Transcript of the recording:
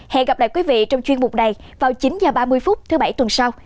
hẹn gặp lại quý vị trong chuyên mục này vào chín h ba mươi phút thứ bảy tuần sau